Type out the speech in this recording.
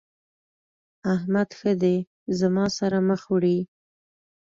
احمد ښه دی زما سره مخ وړي.